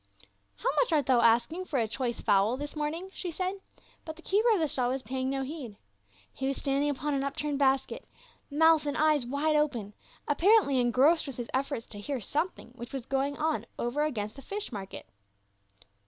" How much art thou asking for a choice fowl this morning?" she said ; but the keeper of the stall was paying no heed. He was standing upon an upturned basket, mouth and eyes wide open, apparently en grossed with his efforts to hear something which was going on over against the fish market.